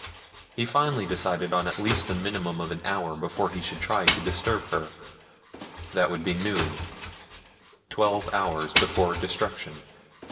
He finally decided on at least a minimum of an hour before he should try to disturb her. That would be noon twelve hours before destruction.